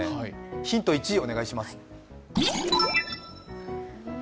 ヒント１、お願いします。